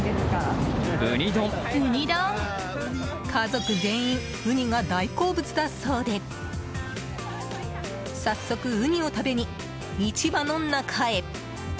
家族全員ウニが大好物だそうで早速、ウニを食べに市場の中へ。